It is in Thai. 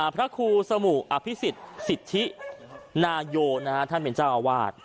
พระครูสมุอภิษฎสิทธินายโยท่านเป็นเจ้าอาวาส